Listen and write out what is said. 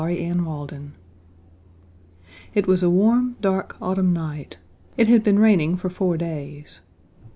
CHAPTER XVI It was a warm, dark, autumn night. It had been raining for four days.